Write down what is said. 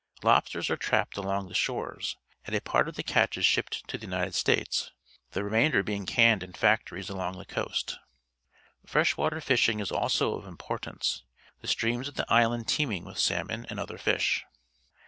Lobsters are trapped along the shores, and a part of the catch is shipped to the ITnited States, the remainder being canned in factories along the coast. Freshwater fishing is also of importance, the streams of the island teeming with salmon and other fish.